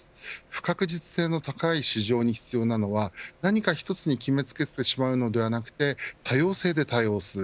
不確実性の高い市場に必要なのは何か１つに決め付けてしまうのではなくて多様性で対応する。